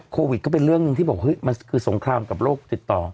โควิดก็เป็นเรื่องหนึ่งที่บอกเฮ้ยมันคือสงครามกับโรคติดต่อ